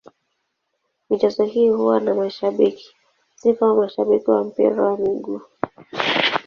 Michezo hii huwa na mashabiki, si kama mashabiki wa mpira wa miguu.